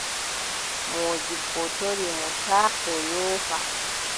Moodibbo tori mo taa o yoofa.